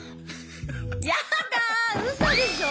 やだうそでしょ！